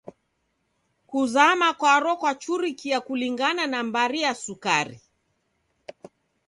Kuzama kwaro kwachurikia kulingana na mbari ya sukari.